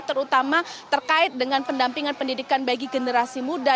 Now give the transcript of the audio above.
terutama terkait dengan pendampingan pendidikan bagi generasi muda